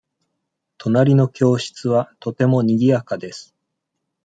隣の教室はとてもにぎやかです。